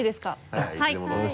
はいいつでもどうぞ。